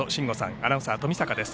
アナウンサー冨坂です。